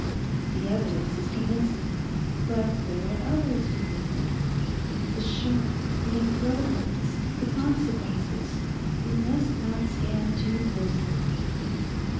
The evidence is convincing. But there are others to think of. The shock, the incredibleness, the consequences; we must not scan too closely.